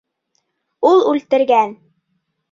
Ул үлтергән!